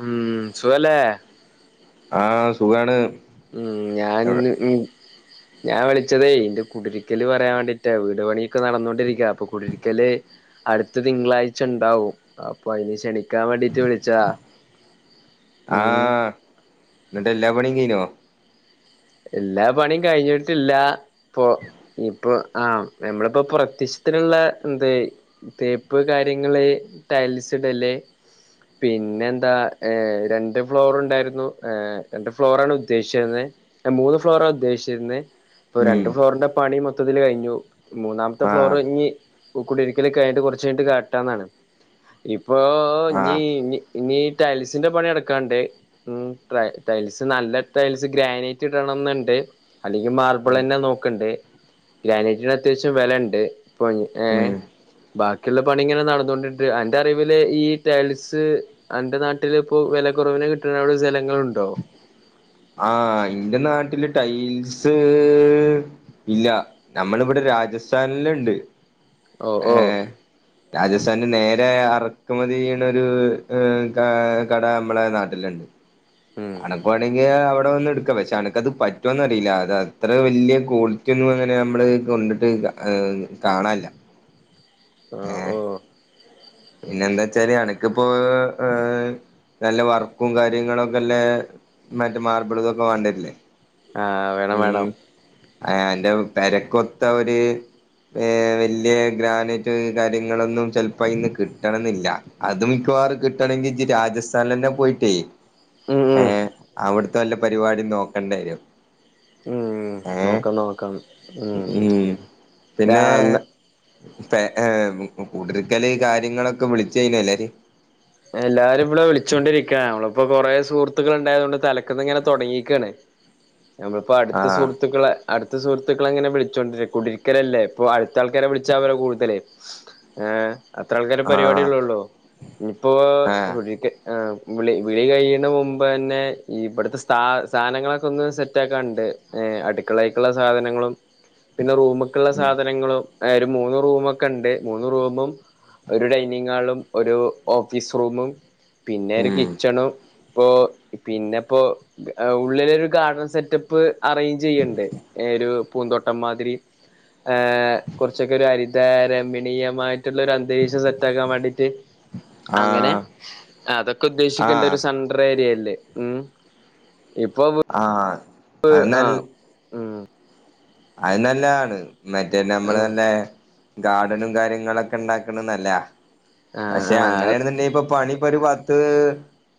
ഉം സുഖലേ ആഹ് സുഖാണ് ഉം ഞാൻ ന്ന് ഞാൻ വിളിച്ചതേ ഇന്റെ കുടരിക്കല് പറയാൻ വേണ്ടീട്ടാ വീട് പണിയൊക്കെ നടന്നുകൊണ്ടിരിക്ക അപ്പൊ കുടരിക്കല് അടുത്ത തിങ്കളാഴ്ചണ്ടാവും അപ്പൊ അയ്ന് ക്ഷണിക്കാൻ വേണ്ടീട്ട് വിളിച്ച ആഹ് ന്നട്ട് എല്ലാ പണിയും കയ്നോ? എല്ലാ പണിയും കഴിഞ്ഞിട്ടില്ല ഇപ്പൊ ഇപ്പൊ ആഹ് നമ്മളിപ്പോ പ്രത്യക്ഷത്തിന്ള്ള എന്ത് തേപ്പ് കാര്യങ്ങള് ടയലിസ്ടല് പിന്നെ എന്താ ഏഹ് രണ്ട് ഫ്ലോർ ഉണ്ടായിരുന്നു ഏഹ് രണ്ട് ഫ്ലോറാണ് ഉദ്ദേശിച്ചിരുന്ന. മൂന്ന് ഫ്ലോറ ഉദ്ദേശിച്ചിരുന്നേ ഇപ്പൊ ഉം രണ്ട് ഫ്ലോറിന്റെ പണി മൊത്തത്തില് കഴിഞ്ഞു മൂന്നാമത്തെ ഫ്ലോർ ആഹ് ഇഞ്ഞ് കുടിരിക്കൽ കഴിഞ്ഞട്ട് കുറച്ച് കഴിഞ്ഞട്ട് കാട്ടാന്നാണ്. ഇപ്പോ നീ ആഹ് നീ ഇനി ടയൽസിന്റെ പണിയട്ക്കാൻണ്ട് ഉം ടൈൽസ് നല്ല ടയൽസ് ഗ്രാനൈ ത്തിടണം ന്നുണ്ട് അല്ലെങ്കി ഉം മാർബിളെന്നെ നോക്ക്ണ്ട് ഗ്രാനേറ്റീന് അത്യാവശ്യം വെലണ്ട് ഇപ്പൊ ഏഹ് ഉം ബാക്കിള്ള പണി ഇങ്ങനെ നടന്നുകൊണ്ടിണ്ട് അന്റെ അറിവില് ഈ ടയൽസ് അൻ്റെ നാട്ടില് ഇപ്പോ വെലകുറവില് കിട്ടുന്ന അവിടെ സ്ഥലങ്ങളുണ്ടോ ആഹ് ഇന്റെ നാട്ടില് ടൈൽസ് ഇല്ല നമ്മളിവിടെ രാജസ്ഥാനില്ണ്ട് ഓ ഓ ഏഹ് രാജസ്ഥാന്റെ നേരെ അറക്കുമതി ചെയ്യുന്ന ഒരു കാ കട നമ്മളെ നാട്ട ല്ലണ്ട് ഉം അട വാണങ്കി അവിടെ വന്ന് എടുക്കാം പക്ഷെ അനക്കത് പറ്റോന്നറിയില്ല അത് അത്ര വല്യ കോ ക്യോന്നും അങ്ങനെ അമ്മള് കൊണ്ടിട്ട് അഹ് കാണല്ല ആഹ് ഓഹ് പിന്നെ എന്താച്ചാല് അനക്ക്പ്പോ ഏഹ് ഏഹ് നല്ല വർക്കും കാര്യങ്ങളൊക്കെല്ലെ മറ്റേ മാർബിൾ തൊക്കെ വാണ്ട്യര്ല്ലേ ആഹ് ഉം ആഹ് അന്റെ പെരക്കൊത്ത ഒര് ഏഹ് വല്യ ഗ്രാനേറ്റ് കാര്യങ്ങളൊന്നും ചെലപ്പോ അയ്‌ന്ന് കിട്ടണംന്നില്ല അത് മിക്കവാറും കിട്ടണെങ്കി ഇജ്ജ് രാജസ്ഥാനിലന്നെ പോയിട്ടേ ഉം ഉം ഏഹ് അവടുത്തെ വല്ല പരിപാടിം നോക്കണ്ടരും ഉം നോക്കാം നോക്കാം ഉം ഞാ പിന്നെ പെ ഏഹ് കൂടിര്ക്കല് കാര്യങ്ങളൊക്കെ വിളിച്ചു കയിഞ്ഞല്ലേര് എല്ലാരും ഇവിടെ വിളിച്ചോണ്ടിരിക്ക നമ്മളിപ്പോ കൊറേ സുഹൃത്തുക്കളുണ്ടായതുകൊണ്ട് തലക്കന്ന് ഇങ്ങനെതൊടങ്ങീക്കാണ് ഞമ്മളിപ്പോ അടുത്ത ആഹ് സുഹൃത്തുക്കളെ അടുത്ത സുഹൃത്തുക്കളെ ഇങ്ങനെ വിളിച്ചോണ്ടിരി കുടിരിക്കലല്ലേ ഇപ്പൊ അടുത്ത ആൾക്കാരെ വിളിച്ചാ അവരെ കൂടുതലേ ഏഹ് അത്ര ആൾക്കാര് ആഹ് പരിപാടിയള്ളള്ളോ ഇനിപ്പോ ആഹ് കുട് ആഹ് വിളി വിളി കഴിയണ മുമ്പ് തന്നെ ഈ ഇവിടുത്തെ സ് സാധനങ്ങളൊക്കെ ഒന്ന് സെറ്റ് ആക്കാൻണ്ട് ഏഹ് അടുക്കളയ്ക്കൊള്ള സാധനങ്ങളും പിന്നെ റൂമിക്കുള്ള ഉം സാധനങ്ങളും ഒരു മൂന്ന് റൂമൊക്കെണ്ട് മൂന്ന് റൂമും ഒരു ഡൈനിങ് ഹാളും ഒരു ഓഫീസ് റൂമും പിന്നെ ഒരു ഉം കിച്ചണും ഇപ്പോ പിന്നെ ഇപ്പോ ആഹ് ഉള്ളിലൊരു ഗാർഡൻ സെറ്റപ്പ് അറേഞ്ച് ചെയ്യണ്ടേ ഏഹ് ഒരു പൂന്തോട്ടം മാതിരി ഏഹ് കുറച്ചൊക്കെ ഒരു ഹരിതരമണീയമായിട്ടുള്ള ഒരു അന്തരീക്ഷം സെറ്റ് ആക്കാൻ വേണ്ടിയിട്ട് അങ്ങനെ ആഹ് അതൊക്കെ ഉദ്ദേശിക്കണ്ട ആഹ് ഒരു സൺണ്ടർ ഏരിയല്ലേ ഉം ഇപ്പൊ ആഹ് പ്പ് അത് നൽ ആഹ് ഉം അത് നല്ലതാണ് മറ്റേ നമ്മള് ആഹ് തന്നെ ഗാർഡനും കാര്യങ്ങളൊക്കെ ഉണ്ടാക്കണന്നല്ല ആഹ് പക്ഷെ അങ്ങ ആഹ് നെയാണെന്നുണ്ടെങ്കി ഇപ്പൊ പണി ഇപ്പൊഒരു പത്ത്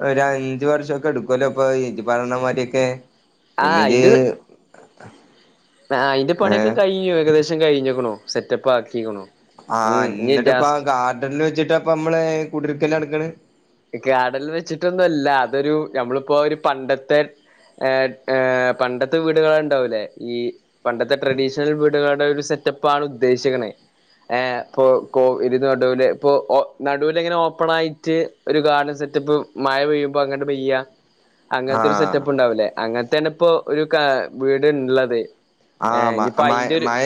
ഒരു അഞ്ച് വർഷക്കെ എടുക്കുവല്ലോ ഇപ്പൊ ഇജ്ജ് പറയണമാരിയേക്കെ പിന്നെ ഇജ് അയിന്റെ ആഹ് ആഹ് അയ്ന്റെ പണിയൊക്കെ ഏഹ് കഴിഞ്ഞു ഏകദേശം കഴിഞ്ഞക്കണു സെറ്റപ്പാ ക്കിക്കണു ആഹ് ന്നിട്ട് ഇപ്പ ഗാർഡനിൽ വെച്ചിട്ട്പ്പ നമ്മള് കുടിരിക്കല് നടക്കണ് ഗാർഡനില് വെച്ചിട്ടൊന്നും അല്ല അതൊരു നമ്മളിപ്പോ ഒരു പണ്ടത്തെ ഏഹ് ഏഹ് പണ്ടത്തെ വീടുകളെണ്ടാവൂല്ലേ ഈ പണ്ടത്തെ ട്രഡീഷണൽ വീടുകളുടെ ഒരു സെറ്റപ്പാണ് ഉദ്ദേശിച്ച്ക്ക്ണേ ഏഹ് കൊ കൊ ഇരു നടൂല് ഇപ്പോ ഓഹ് നടുവില് ഇങ്ങനെ ഓപ്പണായിട്ട് ഒരു ഗാർഡൻ സെറ്റപ്പ് മയ പെയ്യുമ്പോ അങ്ങട്ട് പെയ്യ അങ്ങനത്തെ ഒരു ആഹ് സെറ്റപ്പ് ഒണ്ടാവിലെ അങ്ങ ചെലപ്പോ ഒരു കാ വീടിനിള്ളതെ ആഹ് മ മഴ മഴ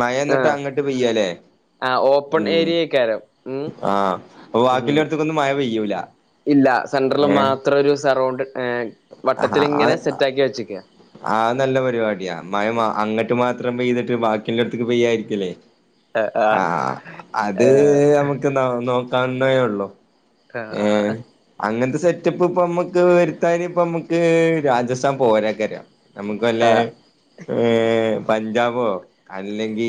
മഴന്നിട്ട് ആഹ് അങ്ങട്ട് പെയ്യ ല്ലേ ആഹ് ഓപ്പൺ ഏരിയക്കാലോ ആഹ് അപ്പൊ ബാക്കില്ലടത്തേക്കൊന്നും മഴ പെയ്യൂല ഇല്ല സെൻ്ററിൽ ഏഹ് മാത്രം ഒരു സറൗണ്ട് ഏ ആഹ് ആഹ് ആഹ് അത് നല്ല പരിപാടിയാ മഴ അങ്ങിട്ട് മാത്രം പെയ്തിട്ട് ബാക്കിള്ളടത്തേക്ക് പെയ്യാതിരിക്കലേ ആഹ് അത് ഏഹ് നമുക്ക് എന്താന്നു കാണേന്നേ ഒള്ളു ഏഹ് ആഹ് അങ്ങനത്തെ സെറ്റപ്പ് ഇപ്പം നമ്മുക്ക് വര എന്താ അയ്ന്പ്പം നമുക്ക് രാജസ്ഥാൻ പോരാ [unintelligible] നമുക്ക് വല്ലെ ആഹ് ഏഹ് പഞ്ചാബോ അല്ലെങ്കി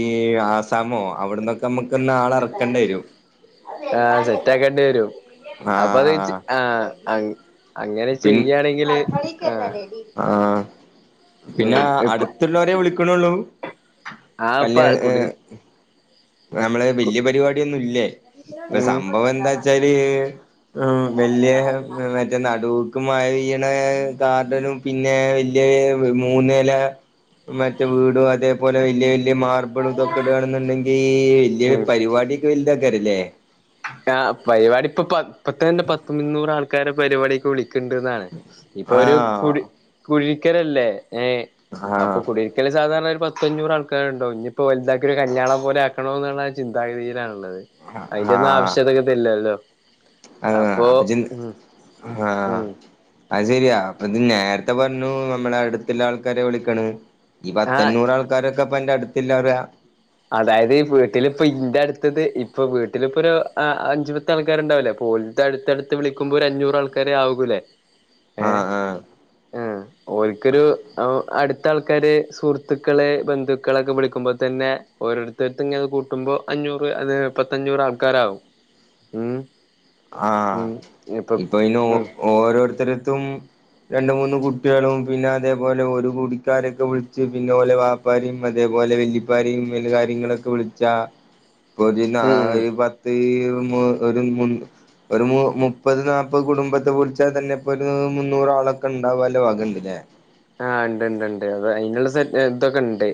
ആസാമോ അവിടന്നൊക് പ്പമ്മുക്കന്ന് ആളെറക്കേണ്ടരും അത് സെറ്റാക്കന്നെ [unintelligible] ആഹ് സെറ്റാക്കേണ്ടിരും അപ്പൊ അത് ആഹ് ആ അങ്ങ് അങ്ങനെ പിൻ ചെയ്യയാണെങ്കില് ആ [unintelligible] ആഹ് പിന്നെ അടുത്തുള്ളരെ വിളിക്കണെള്ളു ആഹ് കല്യാ ഇപ്പ ഏ കുടിരി ഇപ്പൊ നമ്മളെ വല്യേ പരിപാടിയൊന്നും ഇല്ലേ? ഇപ്പൊ ഉം സംഭവം എന്താ വച്ചാല് വല്യേ മറ്റേ നടു മഴ പെയ്ണ കാഡനും പിന്നെ വല്യേ മൂനെല മറ്റ് വീടും അതേപോലെ വലയ വലിയ മാർബിൾ ഇതൊക്കെ ഇടുകാണെന്നുണ്ടെങ്കിൽ ഈ വല്യ പരിപാടിക്കെ വലുതക്കാരല്ലേ? ആഹ് പരിപാടിപ്പൊ ഇപ്പത്തെ തന്നെ പത്ത് മുന്നൂറ് ആൾക്കാരെ പരിപാടിയൊക്കെ വിളിക്കും ക്കണ്ടന്നാണ് ഇപ്പൊ ഒരു ആഹ് കുടി കുടിര്ക്കരല്ലേ ഏഹ് അപ്പൊ ആഹ് കു ഒരിക്കല സാധാരണ ഒരു പത്തൊഞ്ഞൂറ് ആൾക്കാരുണ്ട ഇനി ഇപ്പോൾ വലുതാക്കൊരു കല്യാണം പോലെക്കണന്നുള്ള ചിന്താഗതിയിലണുള്ളത്. ആഹ് ആവശ്യതൊക്കത്തില്ലല്ലോ ആഹ് അപ്പൊ ജ് ആഹ് ഉം അത് ശരിയാ അപ്പ ഇത് നേരത്തെ പറഞ്ഞു നമ്മള അടുത്തുള്ള ആൾക്കാരെ വിളിക്കണെ ഈ ആ പത്തഞ്ഞൂറ ആൾക്കാരൊക്കെപ്പൊ എന്റെ അടുത്ത്ല്ലാ പറ അതായത് ഈ വീട്ടിലിപ്പ ഇന്റടുത്തത് ഇപ്പൊ വീട്ടിലിപ്പൊരു അഞ്ചു പത്ത് ആൾക്കാരുണ്ടാവൂല്ലേ പോ ഇ അടുത്തടുത്ത് വിളിക്കുമ്പോ ഒരു അഞ്ഞൂറ് ആൾക്കാരെ ആകൂല്ലേ ആഹ് ഏഹ് ആഹ് ആഹ് ഓലിക്കൊരു അടുത്ത ആൾക്കാര് സുഹൃത്തുക്കള് ബന്ധുക്കളൊക്കെ വിളിക്കുമ്പോതന്നെ ഓരോരുത്തടുത്ത് ഇങ്ങനെ അത് കൂട്ടുമ്പോ അഞ്ഞൂറ് അത് പത്തഞ്ഞൂറ് ആൾക്കാരാവും ഉം ആഹ് ഉം ഇപ്പൊ അയിന് ഉം ഓരോരുത്തര തും രണ്ട് മൂന്ന് കുട്ടികളും പിന്നെ അതേപോലെ ഒരു കുടിക്കാരൊക്കെ വിളിച്ച് പിന്നെ ഓലെ വാ ഉപ്പാരിം അതേപോലെ വെല്ലിപ്പാരിം കാര്യങ്ങളൊക്കെ വിളിച്ചാ ഒരു നാ ഉം ഉം ഒരു പത്ത് ഒരു മുന്നൂ ഒരു മു മുപ്പത് നാല്പ്പത് കുടുംബത്തെ വിളിച്ചാൽ തന്നെ ഇപ്പോ ഒരു മുന്നൂറാളൊക്കെ ഉണ്ടാവാള്ള വകണ്ട്ല്ലേ? ആഹ് ഉണ്ട്ണ്ട്ണ്ട് അത് അയിനുള്ള സെ തൊക്കെ ഇണ്ട്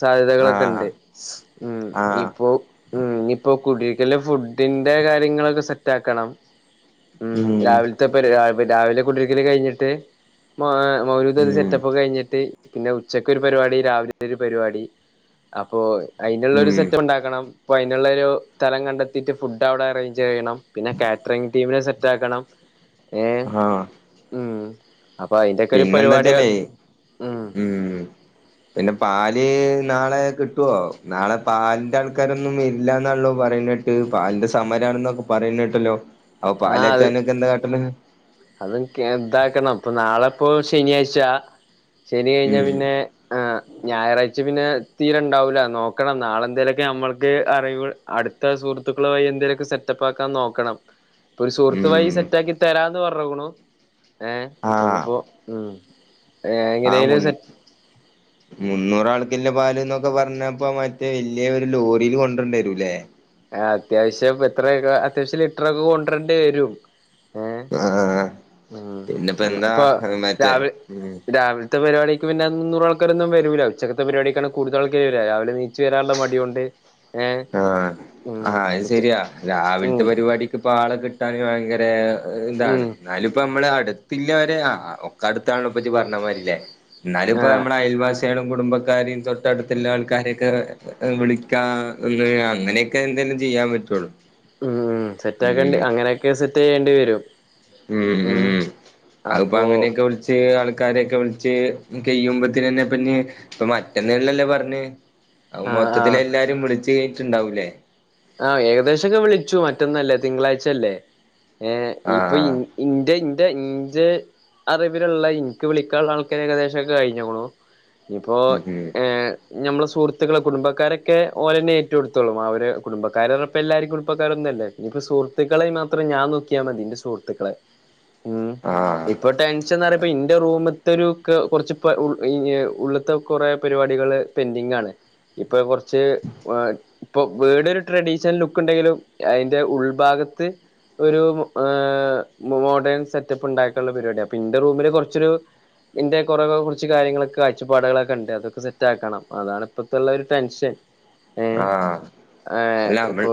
സാധ്യതകളൊക്കെ ആഹ് ഇണ്ട് ഉം ആഹ് ഇപ്പോ ഉം നിപ്പോ കുടിര്ക്കല്ന് ഫുഡിന്റെ കാര്യങ്ങളൊക്കെ സെറ്റ് ആക്കണം ഉം രാവിലത്തെ പരി രാവിലെ കുടീരിക്കല് കഴിഞ്ഞിട്ട് മ മൗ ഇത് ഉം സെറ്റപ്പക്കെ കഴിഞ്ഞിട്ട് പിന്നെ ഉച്ചക്ക് ഒരു പരിപാടി രാവിലെ ഒരു പരിപാടി അപ്പോ അയിനുള്ളൊരു ഉം സെറ്റപ്പ് ഉണ്ടാക്കണം അപ്പോ അയിനുള്ളൊരു സ്ഥലം കണ്ടെത്തിയിട്ട് ഫുഡ് അവിടെ അറേഞ്ച് ചെയ്യണം പിന്നെ കാറ്ററിംഗ് ടീമിനെ സെറ്റ് ആക്കണം ഏ ആഹ് ഉം അപ്പൊ അതിന്റെൊക്കൊര് ന്നെന്താച്ചാലെ ഉം പിന്നെ പാല് നാളെ കിട്ടുവോ നാളെ പാലിന്റെ ആൾക്കാരൊന്നും ഇല്ലന്നാള്ളോ പറയ്ണേട്ടെ പാലിന്റെ സമരാണൊന്നൊക്കെ പറയിന്ന കേട്ടല്ലോ അപ്പൊ ആ അത് പാലച്ചാനൊക്കെ എന്താ കാട്ട്ണ് അതും ഇതാക്കണം ഇപ്പൊ നാളെ ഇപ്പോ ശനിയാഴ്ചാ ശനി കഴിഞ്ഞാ ഉം പിന്നെ ആഹ് ഞായറാഴ്ച പിന്നെ തീരെ ഉണ്ടാവൂല നോക്കണം നാളെ എന്തേലുമൊക്കെ നമ്മൾക്ക് അറിയ അട് ത്ത സുഹൃത്തുക്കള് വഴി എന്തെലൊക്കെ സെറ്റപ്പാക്കാൻ നോക്കണം ഒരു സുഹൃത്ത് വഴ ഉം സെറ്റാക്കി തരാന്ന് പറഞ്ഞ്ക്ക്ണു ഏ നമ്മളിപ്പോ ഉം ഏ ആഹ് മു എങ്ങനെലും സെ [inaudible] മുന്നൂറൾക്ക്ള്ള പാല് ന്നൊക്കെ പറഞ്ഞപ്പ മറ്റേ വലിയ ഒരു ലോറിയിൽ കൊണ്ടരേണ്ടി വരൂല്ലേ ആഹ് അത്യാവശ്യം എത്രയൊക്കെ അത്യാവശ്യം ലിറ്ററർ ഒക്കെ കൊണ്ടരേണ്ടി വരും ഏഹ് ആഹ് പിന്നെപ്പോ ഉം എന്താ പ്പൊ മറ്റേ രാവി ഉം രാവി ഇത്ത പരിപാടിക്ക് പിന്നേ മുന്നൂറാൾക്കാരൊന്നും വൂല്ല ഉച്ചകത്തെ പരിപാടിക്കാണ് കൂടുത ആൾക്കാര് വര രിലെ നീച്ച് വാരനുള്ള മടി കൊണ്ട് ഏഹ്. ആഹ് ആഹ് അയ് ശരിയാ രാവിലത്തെ ഉം പരിപാടിക്ക് പാളം കിട്ടാൻ ഭയങ്കരേ എതാണ് ഉം എന്നാലും ഇപ്പം നമ്മള് അടുത്തില്ലവരെ ആഹ് ഒക്കെ അടുത്താണപ്പി ഞീ പറഞ്ഞാ മാരില്ലേ? എന്നാല് ആ ഇപ്പോ നമ്മളെ അയൽ വാസിയാളും കുടുംബക്കാരെയും തൊട്ടടുത്തുള്ള ആൾക്കാരെയൊക്കെ വിളിക്കാന്നു ള്ളെ അങ്ങനെയൊക്കെ എന്തേലും ചെയ്യാൻ പറ്റുള്ളൂ. ഉം സെറ്റ് ആക്കേണ്ടി അങ്ങനെയൊക്കെ സെറ്റ് ചെയ്യേണ്ടി വരും. ഉം ഉം ഉം അതിപ്പൊ അപ്പോ അങ്ങനെയൊക്കെ വിളിച്ച് ത് ആൾക്കാരെയൊക്കെ വിളിച്ച് കയ്യുമ്പത്തന്നെ പിന്നെ മറ്റന്നല്ലല്ലോ പറഞ് അത് ആ ആ മൊത്തത്തില് എല്ലാരും വിളിച്ചു കഴിഞ്ഞിട്ടുണ്ടാവൂലേ? ആഹ് ഏകദേശംഒക്കെ വിളിച്ചു മറ്റൊന്നല്ലേ തിങ്കളാഴ്ച്ചല്ലേ ഏഹ് ഇപ്പൊയീ ആഹ് ഇൻ്റെ ഇൻ്റെ ഇൻ്റെ അറിവിലുള്ള എനിക്ക് വിളിക്കാനുള്ള ആൾക്കാരെ ഏകദേശം ഒക്കെ കഴിഞ്ഞേക്കണു. ഇപ്പോ ഉം ഉം ഹേ ഞമ്മളെ സുഹൃത്തുക്കളെ കുടുംബക്കാരൊക്കെ ഓലെന്നെ ഏറ്റെടുത്തളൂ അവര് കുടബക്കാരർ ഉറപ്പ എല്ലാരും കുബക്കാരൊന്നുംല്ലേ ഇനിപ്പോപ്പ സുഹൃത്തുക്കളെ മാത്രം ഞൻ നോക്കിയാ മതിന്റെ സുഹൃത്തുക്കളെ ഉം ആഹ് ഇപ്പ ടെ ഷന്നറിപ്യ ഇന്റെ റൂമ്ത്തെ ഒരു കെ കുറച്ച് പ ഉൾ ഈയ് ഉള്ളത്തെ കുറെ പരിപാടികള് പെന്റിങ് ആണ്. ഇപ്പൊ കൊറച്ച് വ ഇപ്പൊ വീടര് ട്രഡീഷണൽ ലുക്കുണ്ടെങ്കിലും അയിന്റെ ഉൾഭാഗത്ത് ഒരു ആ.. മോഡേൺ സെറ്റപ്പ് ഉണ്ടാക്കാനുള്ള പരിപാടിയ അപ്പൊ എന്റെ റൂമില് കൊറച്ചൊരു ഇന്റെ കുറേ കുറച്ച് കാര്യങ്ങളൊക്കെ കാഴ്ചപ്പാടുകളൊക്കെ ഉണ്ട് അതൊക്കെ സെറ്റ് ആക്കണം അതാണ് ഇപ്പഴത്തുള്ളൊരു ടെൻഷൻ. [inaudible] ആഹ് ആ ഇല്ലാ മ്മള് ഇപ്പൊ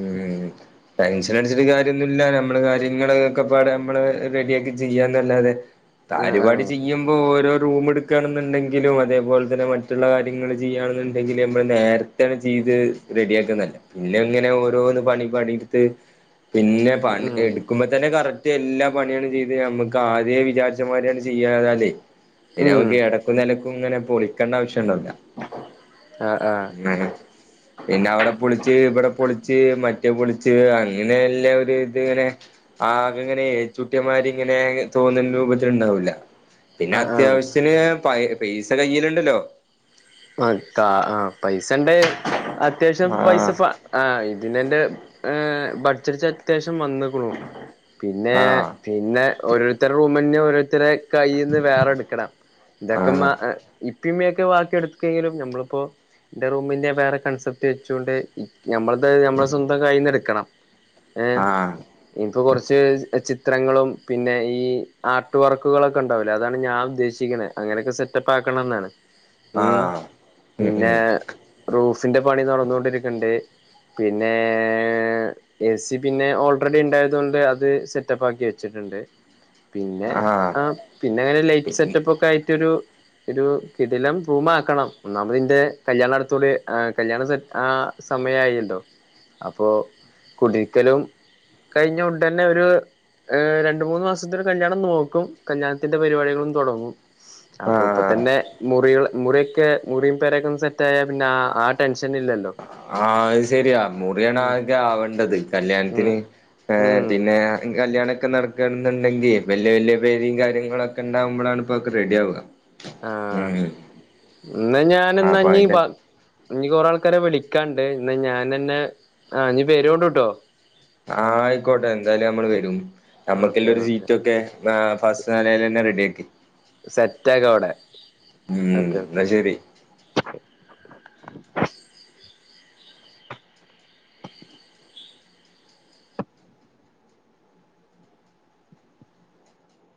ഉം. ടെൻഷൻ അടിച്ചിട്ട് കാര്യന്നുല്ല നമ്മള് കാര്യങ്ങളൊക്കെ പാടേ നമ്മള് റെഡിയ ആക്കി ചെയ്യാന്നല്ലാതെ ആ ആ കാര്യാവാട്ട് ചെയ്യുമ്പോ ഓരോ റൂം എടു ക്കെണന്നുണ്ടെങ്കിലും അതേപോലെ തന്നെ മറ്റുള്ള കാര്യങ്ങൾ ചെയ്യുകയാണെന്നുണ്ടെങ്കിൽ ല്ലേമ്മള് നേരത്തെ ചെയ്ത് റെഡി ആക്ക നല്ലെ- പിന്നെ ഇങ്ങനെ ഓരോന്ന് പണി പണിടുത്ത് പിന്നെ പണി ഉം എടു ഇക്കുമ്പ തന്നെ കറക്റ്റ് എല്ലാ പണിയാണ് ചെയ്ത് നമക്ക് ആദ്യ വിചാരിച്ചമാര്യാണ് ചെയ്യാതല്ലേ ഉം പിന്നെമ്മക്ക് ഇടക്കും നിലക്കും ഇങ്ങനെ പൊളിക്കെണ്ട ആവശ്യണ്ടാവൂല. ആഹ് ആഹ്. ആഹാ- പിന്നെ അവിടെ പൊളിച്ച് ഇവിടെ പൊളിച്ച് മറ്റേ പൊളിച്ച് അങ്ങനെ എല്ലം ഒരിതിങ്ങനെ ആകെ ഇങ്ങനെ ഏച്ചുട്ടിയമാതിരി ഇങ്ങനെ തോന്നുന്ന രൂപത്തിലുണ്ടാവൂല്ല. പിന്നെ ആ ആ അത്യാവശ്യത്തിന് പ പൈസ കയ്യിലുണ്ടല്ലോ അതാ ആഹ് പൈസണ്ടേ അത്യാവശ്യം പൈസ ആഹ് ഇപ്പൊ ആഹ് പിന്നെന്റെ ഏഹ് ബഡ്ജറ്റ് അത്യാവശ്യം വന്നക്കണു പിന്നെ ആഹ് പിന്നെ ഓരോരുത്തരുടെ റൂമന്നെ ഓരോരുത്തരുടെ കയ്യിൽ നിന്ന് വേറെ എടുക്കണം ഇതൊക്കെ മ ആഹ് ഇപ്പിമ്മയൊക്കെ വാക്കി എടുക്കെങ്കിലും നമ്മളിപ്പൊ ഇന്റെ റൂമിന്റെ വേറെ കൺസെപ്റ്റ് വെച്ചൊണ്ട് ഞമ്മളത് ഞമ്മളെ സ്വന്തം കയ്യിന്ന് എടുക്കണം ഏഹ് ആഹ് ഇൻക്ക് കുറച്ച് ചിത്രങ്ങളും പിന്നെ ഈ ആർട്ട് വർക്കുകളൊക്കെ ഉണ്ടാവില്ലേ അതാണ് ഞാൻ ഉദ്ദേശിക്കുന്നെ- അങ്ങനൊക്കെ സെറ്റപ്പാക്കണം എന്നാണ് ഉം ആഹ് ഉം പിന്നെ ഉം റൂഫിന്റെ പണി നടന്നു കൊണ്ടിരിക്കണ്ട് പിന്നേ എ സി പിന്നെ ഓൾറെഡി ഉണ്ടായതു കൊണ്ട് അത് സെറ്റപ്പ് ആക്കി വെച്ചിട്ടുണ്ട്. പിന്നെ ആഹ് പിന്നെ പി ലൈറ്റ് സെറ്റപ്പ് ഒക്കെ ആയിട്ടൊരു ഒരു കിടിലം റൂമാക്കണം ഒന്നാമത് ഇന്റെ കല്യാണ അടുത്തോടെ കല്യാണ സെ ആ സമയായിണ്ടൊ അപ്പോൾ കുട്രിക്കലും കഴിഞ്ഞുണ്ടന്നെ ഒരു ഏഹ് രണ്ടു മൂന്ന് മാസത്തിന് കല്യാണം നോക്കും കല്യാണത്തിന്റെ പരിപാടികളും തുടങ്ങും അപ്പൊ ഇപ്പൊ ആഹ് തന്നെ മുറികൾ മുറിയൊക്കെ മുറിയും പേരൊക്കെ ഒന്ന് സെറ്റയ പിന്നെ ആ ടെൻഷനില്ലല്ലോ ആഹ് അത് ശരിയാ മുറിയാണ് ഉം ആദ്യ ആവേണ്ടത് ഉം കല്യാണത്തിന് ഏഹ് ഉം പിന്നെ കല്യാണൊക്കെ നടക്കണെന്നുണ്ടെങ്കിൽ വലിയ വലിയ പെരിയും കാര്യങ്ങളൊക്കെ ഉണ്ടാവുമ്പോളാണ് ഇപ്പോക്കെ റെഡിയാവുക ആഹ് ഇന്ന അപ്പൊ ഞാനന്നാഞ്ഞീ അതിന്റെ ബാ ഇനി കൊറെ ആൾക്കാരെ വിളിക്കാണ്ട് ഇന്ന ഞാനന്നെ ആ ഇനി വരേണ്ടു ട്ടൊ ആഹ് ആയിക്കോട്ടെ എന്തായാലും നമ്മള് വരും ഓക്കെ നമ്മുക്കുള്ളൊരു ഓക്കെ സീറ്റൊക്കെ ആ ഫസ്റ്റ് നലലന്നെ റെഡിയാക്കി സെറ്റ് ആക്ക അവിടെ ഉം ഓക്കെ ഓക്കെ എന്നാ ശരി